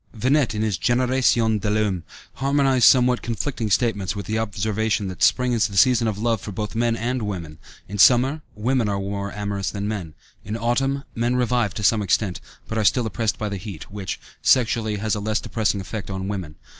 Venette, in his Génération de l'homme, harmonized somewhat conflicting statements with the observation that spring is the season of love for both men and women; in summer, women are more amorous than men; in autumn, men revive to some extent, but are still oppressed by the heat, which, sexually, has a less depressing effect on women.